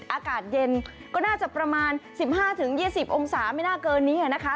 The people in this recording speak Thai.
อากาศเย็นก็น่าจะประมาณ๑๕๒๐องศาไม่น่าเกินนี้นะคะ